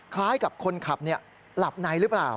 คล้ายกับคนขับหลับในหรือเปล่า